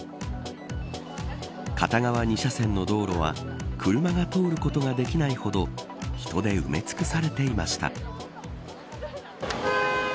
片側２車線の道路は車が通ることができないほど人で埋め尽くされていました。